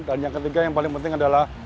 dan yang ketiga yang paling penting adalah